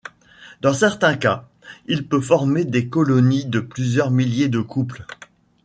Dans certains cas il peut former des colonies de plusieurs milliers de couples.